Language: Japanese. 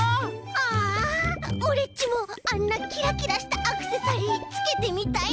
ああオレっちもあんなキラキラしたアクセサリーつけてみたいな！